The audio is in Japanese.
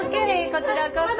こちらこそ。